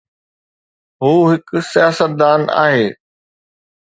هو هڪ سياستدان آهي